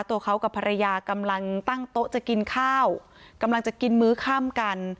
ตัวเขากับภรรยากำลังตั้งโต๊ะจะกินข้าวกำลังจะกินมื้อข้ามกัน